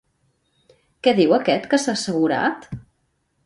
Què diu aquest que s'ha assegurat?